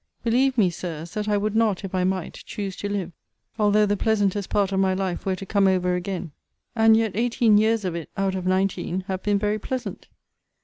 Believe me, Sirs, that I would not, if I might, choose to live, although the pleasantest part of my life were to come over again: and yet eighteen years of it, out of nineteen, have been very pleasant.